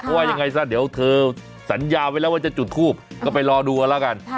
เพราะว่ายังไงซะเดี๋ยวเธอสัญญาไว้แล้วว่าจะจุดทูปก็ไปรอดูกันแล้วกัน